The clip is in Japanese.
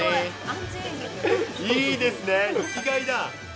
いいですね、生きがいだ。